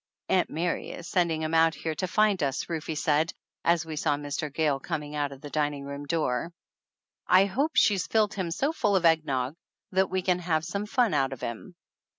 "Aunt Mary is sending him out here to find us," Rufe said, as we saw Mr. Gayle coming out of the dining room door. "I hope she's filled him so full of egg nog that we can have some fun out of him